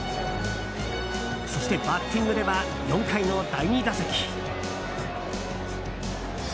そして、バッティングでは４回の第２打席。